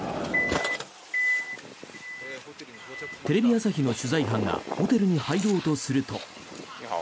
テレビ朝日の取材班がホテルに入ろうとすると。